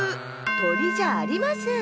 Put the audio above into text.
とりじゃありません。